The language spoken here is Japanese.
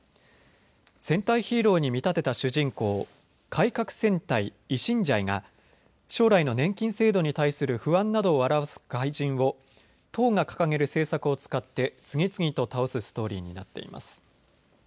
戦隊ヒーローに見立てた主人公、改革戦隊維新ジャイが将来の年金制度に対する不安などを表す怪人を党が掲げる政策を使って次々と倒すストーリーになっています。